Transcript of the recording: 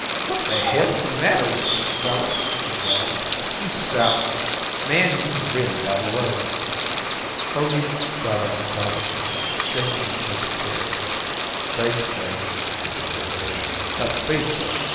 "What the hell's the matter with you, fella?" he drawled. "You soused? Man, you've really got a load." Hogey got up doggedly, shaking his head to clear it. "Space legs," he prevaricated. "Got space legs.